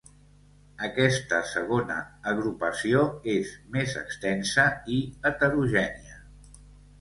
Aquesta segona agrupació és més extensa i heterogènia.